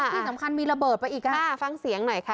ที่สำคัญมีระเบิดไปอีกค่ะฟังเสียงหน่อยค่ะ